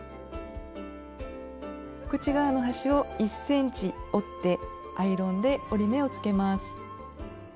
口側の端を１ｃｍ折ってアイロンで折り目をつけます。